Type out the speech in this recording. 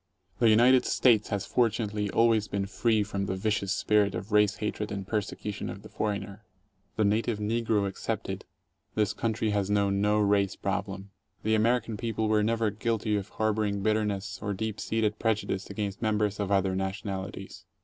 The United States has fortunately always been free from the vicious spirit of race hatred and persecution of the foreigner. The native negro excepted, this country has known no race problem. The American people were never guilty of harboring bitterness or. deep seated prejudice against members of other nationalities.